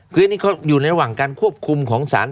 คืออันนี้เขาอยู่ระหว่างการควบคุมของสาร